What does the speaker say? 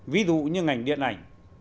ví dụ như ngành điện ảnh